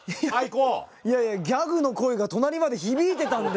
いやいやギャグの声が隣まで響いてたんで。